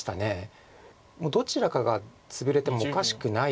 もうどちらかがツブれてもおかしくないぐらいです